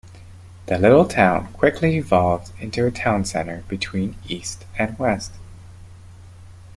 The little town quickly evolved into a trade center between east and west.